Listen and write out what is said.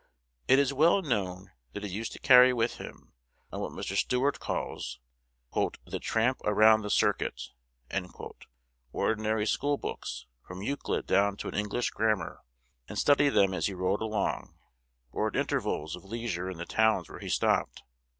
It is well known that he used to carry with him, on what Mr. Stuart calls "the tramp around the circuit," ordinary school books, from Euclid down to an English grammar, and study them as he rode along, or at intervals of leisure in the towns where he stopped.